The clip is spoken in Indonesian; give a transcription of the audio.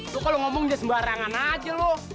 lu kalo ngomong aja sembarangan aja lu